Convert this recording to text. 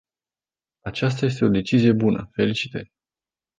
Aceasta este o decizie bună, felicitări!